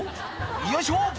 「よいしょ！」